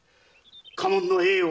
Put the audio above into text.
家門の栄誉